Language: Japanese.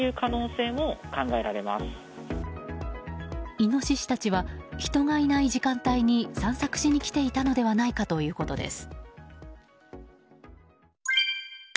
イノシシたちは人がいない時間帯に散策しに来ていたのではないかということです。